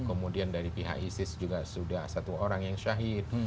kemudian dari pihak isis juga sudah satu orang yang syahid